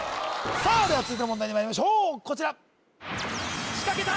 それでは続いての問題にまいりましょうこちら仕掛けた！